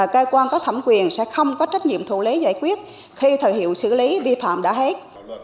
cơ quan có thẩm quyền sẽ không có trách nhiệm thủ lý giải quyết khi thời hiệu xử lý vi phạm đã hết